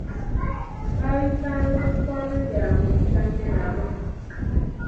Baayita nga mikwano gy'abwe okuzannya nabo.